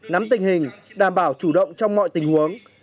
nắm tình hình đảm bảo chủ động trong mọi tình huống